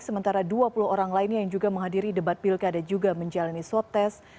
sementara dua puluh orang lainnya yang juga menghadiri debat pilkada juga menjalani swab test